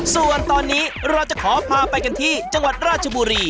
ส่วนตอนนี้เราจะขอพาไปกันที่จังหวัดราชบุรี